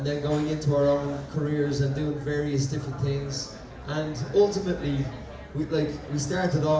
dan kemudian kita menjalankan karir kita sendiri dan melakukan hal hal yang berbeda